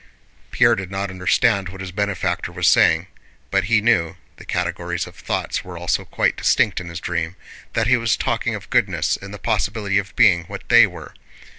Pierre did not understand what his benefactor was saying, but he knew (the categories of thoughts were also quite distinct in his dream) that he was talking of goodness and the possibility of being what they were.